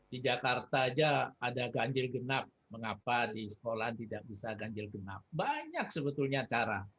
di jakarta saja ada ganjil genap mengapa di sekolah tidak bisa ganjil genap banyak sebetulnya cara